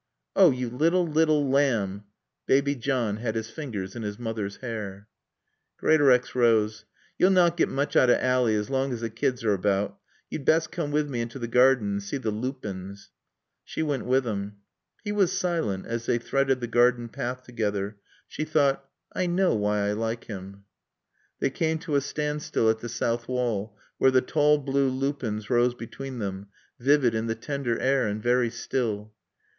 "Oh! You little, little lamb!" Baby John had his fingers in his mother's hair. Greatorex rose. "You'll not get mooch out o' Ally as long as t' kids are about. Yo'd best coom wi' mae into t' garden and see t' loopins." She went with him. He was silent as they threaded the garden path together. She thought, "I know why I like him." They came to a standstill at the south wall where the tall blue lupins rose between them, vivid in the tender air and very still.